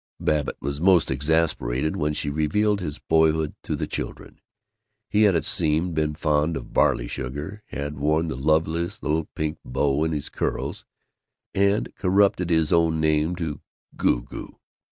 Babbitt was most exasperated when she revealed his boyhood to the children. He had, it seemed, been fond of barley sugar; had worn the "loveliest little pink bow in his curls" and corrupted his own name to "Goo goo."